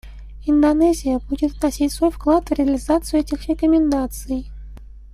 Индонезия будет вносить свой вклад в реализацию этих рекомендаций.